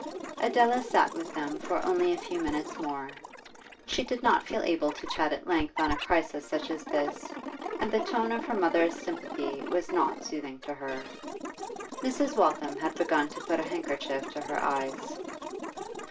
Adela sat with them for only a few minutes more. She did not feel able to chat at length on a crisis such as this, and the tone of her mother's sympathy was not soothing to her. Mrs. Waltham had begun to put a handkerchief to her eyes.